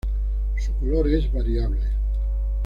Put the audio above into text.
Su color es variable.